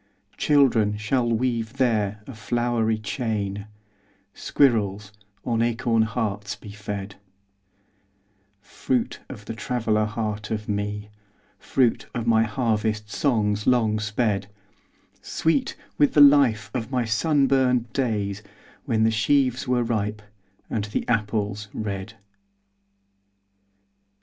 Children shall weave there a flowery chain, Squirrels on acorn hearts be fed:— Fruit of the traveller heart of me, Fruit of my harvest songs long sped: Sweet with the life of my sunburned days When the sheaves were ripe, and the apples red.